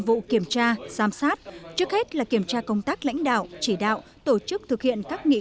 vụ kiểm tra giám sát trước hết là kiểm tra công tác lãnh đạo chỉ đạo tổ chức thực hiện các nghị